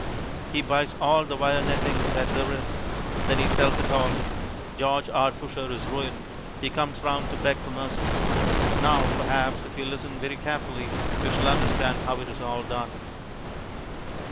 He buys all the Wire Netting that there is. Then he sells it all. George R. Pusher is ruined. He comes round to beg for mercy. Now, perhaps, if we listen very carefully, we shall understand how it is all done.